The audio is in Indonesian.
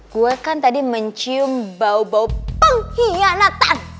gue kan tadi mencium bau bau pengkhianatan